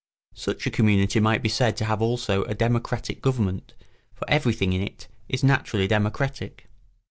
Such a community might be said to have also a democratic government, for everything in it is naturally democratic.